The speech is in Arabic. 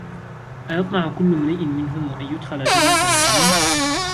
أيطمع كل امرئ منهم أن يدخل جنة نعيم